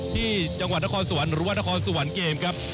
ที่จังหวัดนครสวรรค์หรือว่านครสวรรค์เกมครับ